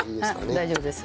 はい大丈夫です。